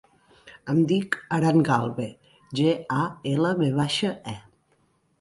Em dic Aran Galve: ge, a, ela, ve baixa, e.